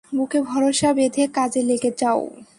বুকে ভরসা বেঁধে কাজে লেগে যাও।